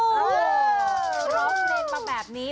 ร้องเพลงมาแบบนี้